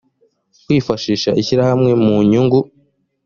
kwifashisha ishyirahamwe mu nyungu